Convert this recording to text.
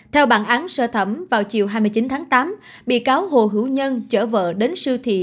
theo bản án sơ thẩm vào chiều hai mươi chín tháng tám bị cáo hồ hữu nhân chở vợ đến siêu thị